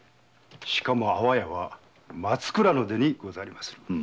しかも阿波屋は松倉の出身にござりまする。